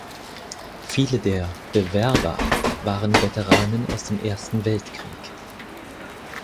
Viele der „Bewerber“ waren Veteranen aus dem Ersten Weltkrieg.